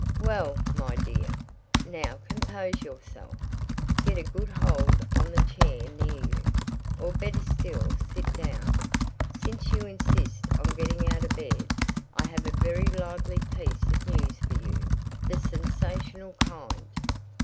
"Well, my dear, now compose yourself. Get a good hold on the chair near you, or better still sit down, since you insist on getting out of bed. I have a very lively piece of news for you the sensational kind."